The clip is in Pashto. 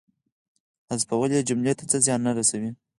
حذفول یې جملې ته څه زیان نه رسوي.